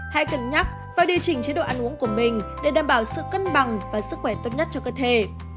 hãy cân nhắc và điều chỉnh chế độ ăn uống của mình để đảm bảo sự cân bằng và sức khỏe tốt nhất cho cơ thể